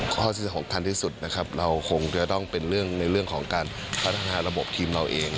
ข้อที่สำคัญที่สุดนะครับเราคงจะต้องเป็นเรื่องในเรื่องของการพัฒนาระบบทีมเราเอง